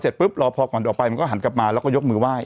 ปุ๊บรอพอก่อนออกไปมันก็หันกลับมาแล้วก็ยกมือไหว้